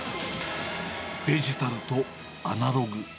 デジタルとアナログ。